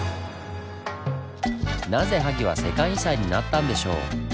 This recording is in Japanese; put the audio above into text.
なぜ萩は世界遺産になったんでしょう？